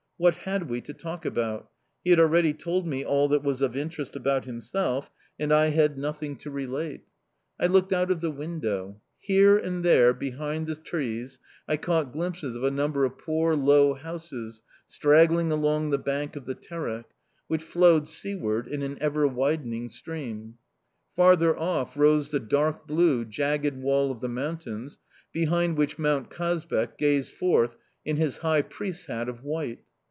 What had we to talk about? He had already told me all that was of interest about himself and I had nothing to relate. I looked out of the window. Here and there, behind the trees, I caught glimpses of a number of poor, low houses straggling along the bank of the Terek, which flowed seaward in an ever widening stream; farther off rose the dark blue, jagged wall of the mountains, behind which Mount Kazbek gazed forth in his highpriest's hat of white.